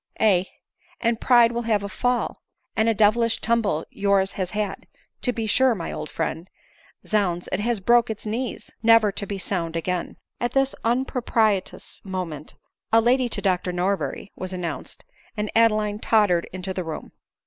" Aye, and pride will have a fall ; and a devilish tumble yours has had, to be sure, my old friend. Zounds it has broke its knees — never to be sound again." At this unpropitious moment " a lady to Dr Norberry" was announced, and Adeline tottered into the room.